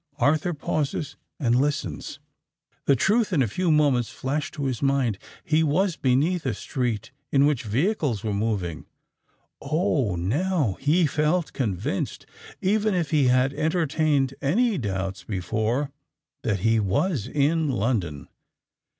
Arthur pauses—and listens. The truth in a few moments flashed to his mind: he was beneath a street in which vehicles were moving. Oh! now he felt convinced—even if he had entertained any doubts before—that he was in London.